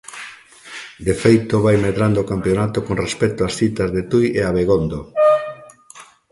De feito, vai medrando o campionato con respecto ás citas de Tui e Abegondo.